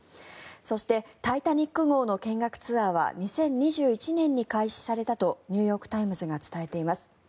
そして、「タイタニック号」の見学ツアーは２０２１年に開始されたとニューヨーク・タイムズが伝えています。